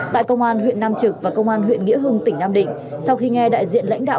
tại công an huyện nam trực và công an huyện nghĩa hưng tỉnh nam định sau khi nghe đại diện lãnh đạo